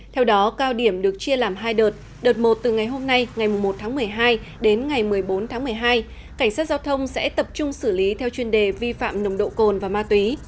theo đó cao điểm được chia làm hai đợt đợt một từ ngày hôm nay ngày một tháng một mươi hai đến ngày một mươi bốn tháng một mươi hai cảnh sát giao thông sẽ tập trung xử lý theo chuyên đề vi phạm nồng độ cồn và ma túy